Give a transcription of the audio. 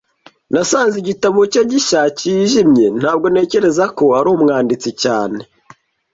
Nasanze igitabo cye gishya kijimye. Ntabwo ntekereza ko ari umwanditsi cyane.